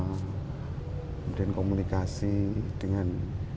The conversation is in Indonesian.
kemudian komunikasi dengan